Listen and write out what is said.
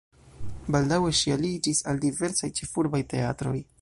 Baldaŭe ŝi aliĝis al diversaj ĉefurbaj teatroj.